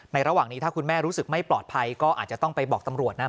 ระหว่างนี้ถ้าคุณแม่รู้สึกไม่ปลอดภัยก็อาจจะต้องไปบอกตำรวจนะ